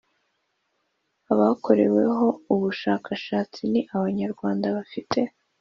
Abakoreweho ubushakashatsi ni Abanyarwanda bafite